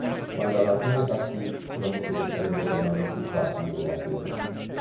Quando alla fine partì, promise che sarebbe tornata più tardi quella sera.